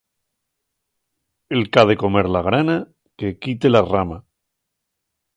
El qu'ha de comer la grana, que quite la rama.